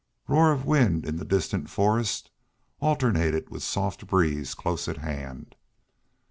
Roar of wind in the distant forest alternated with soft breeze close at hand.